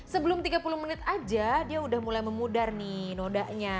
sebelum tiga puluh menit aja dia udah mulai memudar nih nodanya